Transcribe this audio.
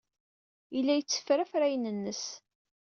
Yella yetteffer afrayen-nnes.